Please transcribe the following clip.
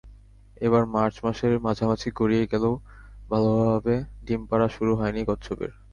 এবার মার্চ মাসের মাঝামাঝি গড়িয়ে গেলেও ভালোভাবে ডিম পাড়া শুরু হয়নি কচ্ছপের।